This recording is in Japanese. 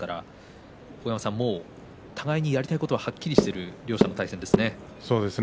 大山さん、もう互いにやりたいことははっきりしている両者の対戦ですね。